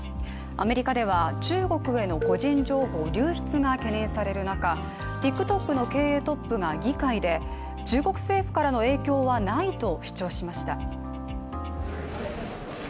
アメリカでは中国への個人情報流出が懸念される中、ＴｉｋＴｏｋの経営トップが議会で中国政府からの影響はないと主張しました。